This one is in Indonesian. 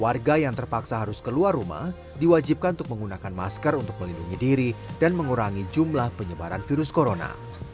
warga yang terpaksa harus keluar rumah diwajibkan untuk menggunakan masker untuk melindungi diri dan mengurangi jumlah penyebaran virus corona